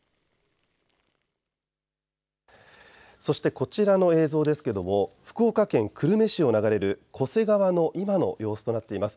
そしてこちらの映像ですけれども福岡県久留米市を流れる巨瀬川の今の様子となっています。